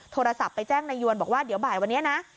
โทรศัพท์ไปแจ้งนายยวนบอกว่าเดี๋ยวบ่ายวันนี้นะ